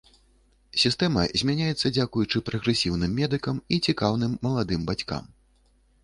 Сістэма змяняецца, дзякуючы прагрэсіўным медыкам і цікаўным маладым бацькам.